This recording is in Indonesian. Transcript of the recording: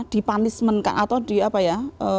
di punishment atau di apa ya